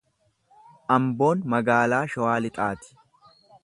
Amboon magaalaa Shawaa lixaati.